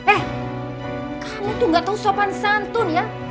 eh kamu tuh gak tau sopan santun ya